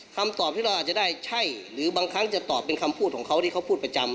คำตอบที่เราอาจจะได้ใช่หรือบางครั้งจะตอบเป็นคำพูดของเขาที่เขาพูดประจำ